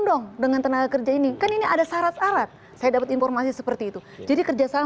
dong dengan tenaga kerja ini kan ini ada syarat syarat saya dapat informasi seperti itu jadi kerjasama